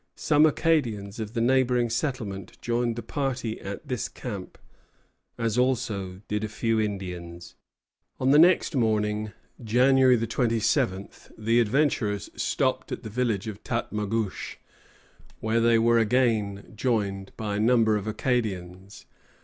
Some Acadians of the neighboring settlement joined the party at this camp, as also did a few Indians. On the next morning, January 27th, the adventurers stopped at the village of Tatmagouche, where they were again joined by a number of Acadians.